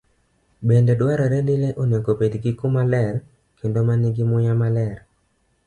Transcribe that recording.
Bende dwarore ni le obed gi kama ler kendo ma nigi muya maler.